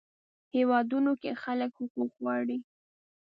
هیوادونو کې خلک حقوق غواړي.